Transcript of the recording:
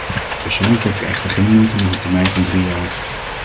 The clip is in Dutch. Persoonlijk heb ik echter geen moeite met een termijn van drie jaar.